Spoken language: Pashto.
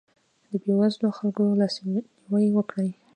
د بېوزلو خلکو لاسنیوی وکړئ.